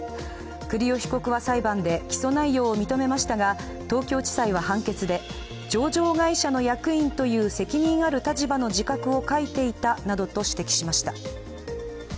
栗尾被告は裁判で起訴内容を認めましたが東京地裁は判決で、上場会社の役員という責任ある立場の自覚を欠いていたなどと指摘しました。